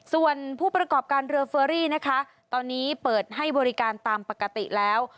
ส่วนผู้ประกอบการเรือเฟอรี่นะคะตอนนี้เปิดให้บริการตามปกติแล้ว